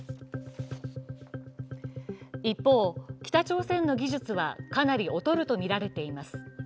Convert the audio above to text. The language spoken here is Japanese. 一方、北朝鮮の技術はかなり劣るとみられています。